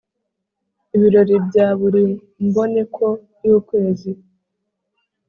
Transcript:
ibirori bya buri mboneko y’ukwezi,